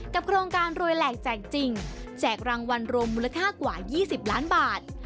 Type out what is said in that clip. โครงการรวยแหลกแจกจริงแจกรางวัลรวมมูลค่ากว่า๒๐ล้านบาท